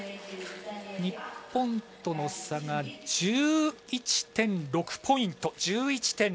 日本との差が１１．６ポイント。